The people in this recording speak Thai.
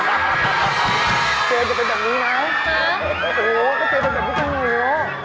โหเจ๋จะเป็นแบบนี้ไง